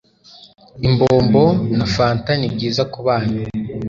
imbombo na fanta ni byiza ku bana